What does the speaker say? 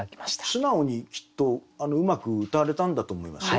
素直にきっとうまくうたわれたんだと思いますよ